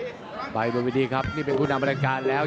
ต่อไปกับวิธีครับนี่เป็นคุณน้ำบริการแล้ว